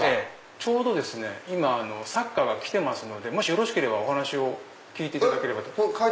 ちょうどですね今作家が来てますのでもしよろしければお話を聞いていただければ。